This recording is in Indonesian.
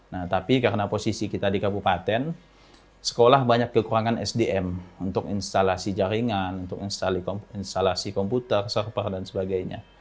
nah tapi karena posisi kita di kabupaten sekolah banyak kekurangan sdm untuk instalasi jaringan untuk instalasi komputer server dan sebagainya